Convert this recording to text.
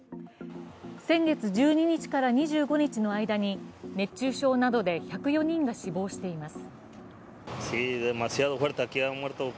先月１２日から２５日の間に熱中症などで１０４人が死亡しています。